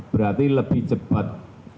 berarti lebih cepat